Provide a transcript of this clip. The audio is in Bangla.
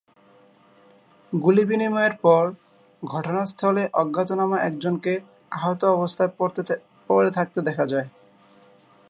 গুলিবিনিময়ের পর ঘটনাস্থলে অজ্ঞাতনামা একজনকে আহত অবস্থায় পড়ে থাকতে দেখা যায়।